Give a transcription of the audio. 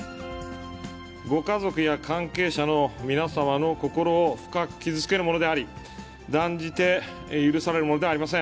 ご家族や関係者の皆様の心を深く傷つけるものであり、断じて許されるものではありません。